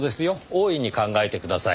大いに考えてください。